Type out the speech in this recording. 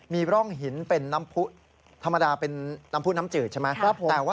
สุดยอดนะครับ